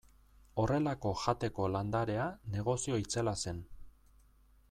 Horrelako jateko landarea negozio itzela zen.